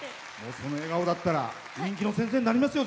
その笑顔だったら人気の先生になりますよ。